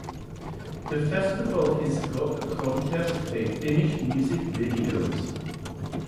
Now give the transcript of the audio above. The festival has got a contest for Finnish music videos.